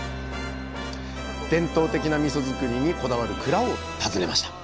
伝統的なみそづくりにこだわる蔵を訪ねました